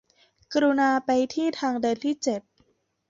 กรุณาไปที่ทางเดินที่เจ็ด